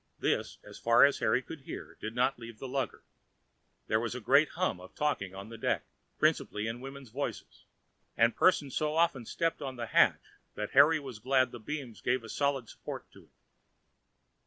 This, as far as Harry could hear, did not leave the lugger. There was a great hum of talking on deck, principally in women's voices, and persons so often stepped on the hatch, that Harry was glad the beams gave a solid support to it.